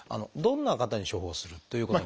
どんな方に処方するという？